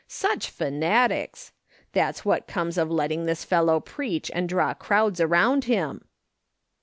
Such fanatics ! That's what comes of letting this fellow preach and draw crowds around him